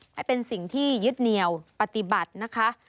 ให้เป็นสิ่งที่ยึดเหนียวปฏิบัตินะคะ